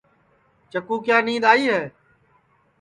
چکُو کیا نید آئی ہے